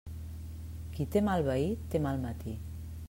Qui té mal veí, té mal matí.